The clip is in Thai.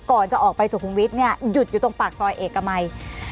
ก่อนจะออกไปสุขุมวิทย์เนี่ยหยุดอยู่ตรงปากซอยเอกมัย